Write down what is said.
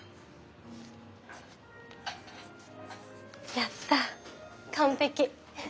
やった完璧。